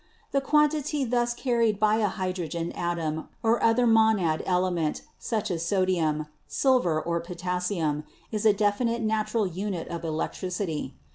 The quantity thus carried by a hydrogen atom or other monad element, such as sodium, silver, or potassium, is a definite natural unit of electricity.